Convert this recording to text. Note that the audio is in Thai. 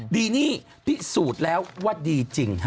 ดีนี่ที่สูตรแล้วว่าดีจริงฮะ